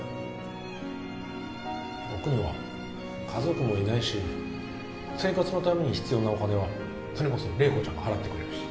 僕には家族もいないし生活のために必要なお金はそれこそ麗子ちゃんが払ってくれるし。